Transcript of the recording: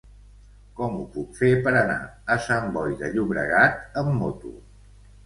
Com ho puc fer per anar a Sant Boi de Llobregat amb moto?